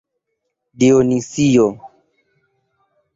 Dionisio.